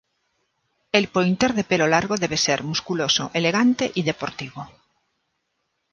El Pointer de pelo largo debe ser musculoso, elegante y deportivo.